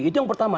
itu yang pertama